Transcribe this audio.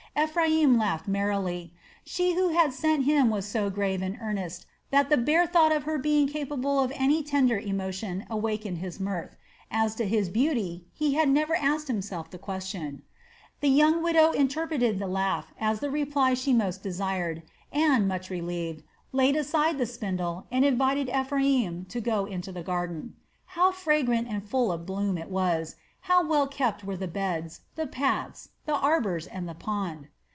Ephraim laughed merrily. She who had sent him was so grave and earnest that the bare thought of her being capable of any tender emotion wakened his mirth. As to her beauty, he had never asked himself the question. The young widow interpreted the laugh as the reply she most desired and, much relieved, laid aside the spindle and invited Ephraim to go into the garden. How fragrant and full of bloom it was, how well kept were the beds, the paths, the arbors, and the pond.